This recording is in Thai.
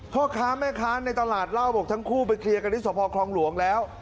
พ่อค้าแม่ค้าในตลาดเล่าบอกทั้งคู่ไปเคลียร์กันที่สภคลองหลวงแล้ว